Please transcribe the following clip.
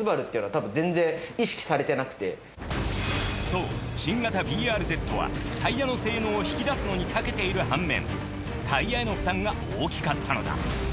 そう新型ＢＲＺはタイヤの性能を引き出すのに長けている反面タイヤへの負担が大きかったのだ。